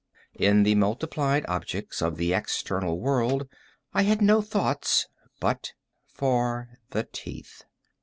In the multiplied objects of the external world I had no thoughts but for the teeth.